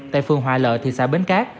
tại phường hòa lợ thị xã bến cát